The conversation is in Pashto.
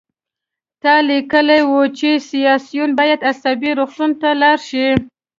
تا لیکلي وو چې سیاسیون باید عصبي روغتون ته لاړ شي